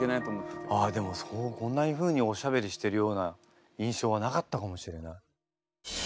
でもこんなふうにおしゃべりしてるような印象はなかったかもしれない。